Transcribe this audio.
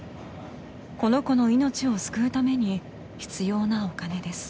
この子の命を救うために必要なお金です。